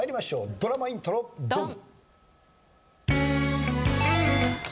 ドラマイントロドン！